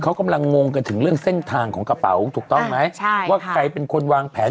เขากำลังงงกันถึงเรื่องเส้นทางของกระเป๋าถูกต้องไหมใช่ว่าใครเป็นคนวางแผน